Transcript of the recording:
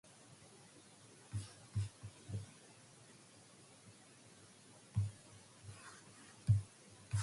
Its products included the 'AirScene' Airport Management systems.